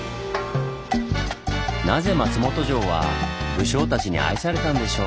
なぜ松本城は武将たちに愛されたんでしょう？